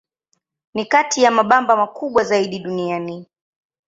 Ni kati ya mabamba makubwa zaidi duniani.